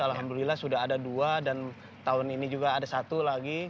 alhamdulillah sudah ada dua dan tahun ini juga ada satu lagi